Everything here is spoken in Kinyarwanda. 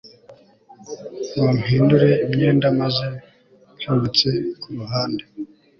ngo mpindure imyenda maze nkebutse kuruhande